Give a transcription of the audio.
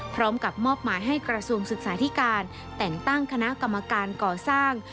พร้อมกับมอบหมายให้กระทรวงศึกษาธิการแต่งตั้งคณะกรรมการก่อสร้าง